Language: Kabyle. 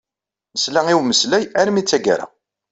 Nesla i umeslay armi tagara.